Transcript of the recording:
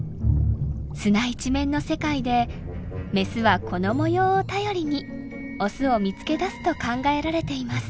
砂一面の世界でメスはこの模様を頼りにオスを見つけ出すと考えられています。